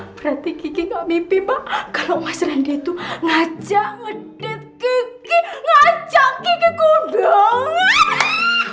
berarti kiki gak mimpi pak kalo mas randi itu ngajak ngedate kiki ngajak kiki ke undangan